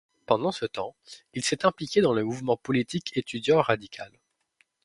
Pendant ce temps, il s'est impliqué dans le mouvement politique étudiant radical.